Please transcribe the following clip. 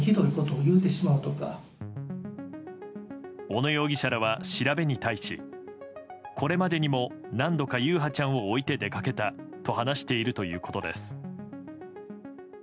小野容疑者らは調べに対しこれまでにも何度か優陽ちゃんを置いて出かけたと話しているということです。